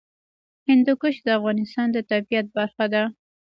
هندوکش د افغانستان د طبیعت برخه ده.